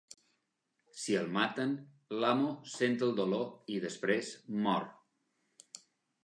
Si el maten, l'amo sent el dolor, i després mor.